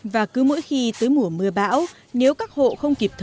và cứ mỗi khi tới mùa mưa bão nếu các hộ không kịp thở